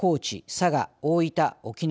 佐賀大分沖縄。